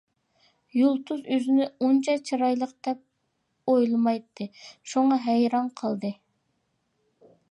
يۇلتۇز ئۆزىنى ئۇنچە چىرايلىق دەپ ئويلىمايتتى، شۇڭا ھەيران قالدى.